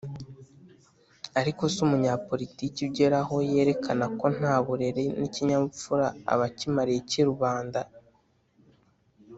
Ariko se, umunyapolitiki ugera aho yerekana ko nta burere n'ikinyabupfura aba akimariye iki rubanda?